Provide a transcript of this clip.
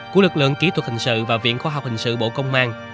của lực lượng kỹ thuật hình sự và viện khoa học hình sự bộ công an